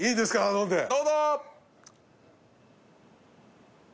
飲んでどうぞ！